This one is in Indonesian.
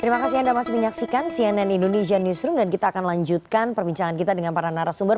terima kasih anda masih menyaksikan cnn indonesia newsroom dan kita akan lanjutkan perbincangan kita dengan para narasumber